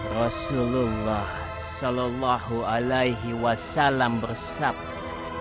rasulullah saw bersabar